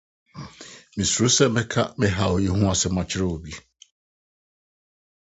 Misuro sɛ mɛka me haw yi ho asɛm akyerɛ obi.